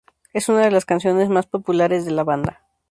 Es una de las canciones más populares de la banda.